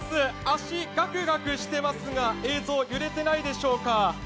足、ガクガクしてますが映像揺れてないでしょうか？